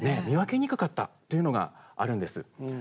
見分けにくかったというのがあるんです。